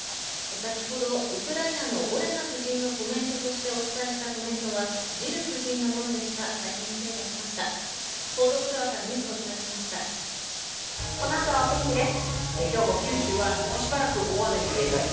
先ほどウクライナのオレナ夫人のコメントとしてお伝えしたコメントはジル夫松並さん、よろしくお願いします。